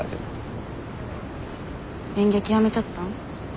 演劇やめちゃったん？